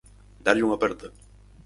Darlle unha aperta.